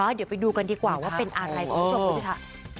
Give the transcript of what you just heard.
เดี๋ยวไปดูกันดีกว่าว่าเป็นอะไรคุณผู้ชมดูสิค่ะ